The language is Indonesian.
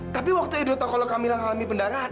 tapi waktu ido tahu kalau kamila ngalami pendarahan